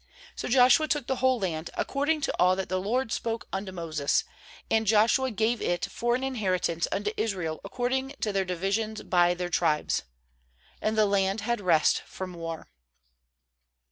^So Joshua took the whole land, according to all that the LORD spoke unto Moses; and Joshua gave it for an inheritance unto Israel according to their divisions by their tribes. And the land had rest from war.